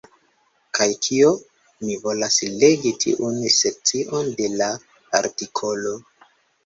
Kaj kio? Mi volas legi tiun sekcion de la artikolo.